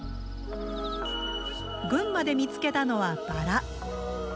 群馬で見つけたのは、バラ。